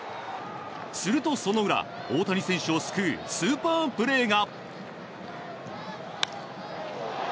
するとその裏、大谷選手を救うスーパープレーが。